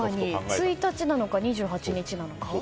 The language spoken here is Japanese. １日なのか、２８日なのか。